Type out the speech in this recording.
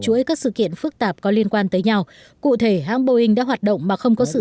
chuỗi các sự kiện phức tạp có liên quan tới nhau cụ thể hãng boeing đã hoạt động mà không có sự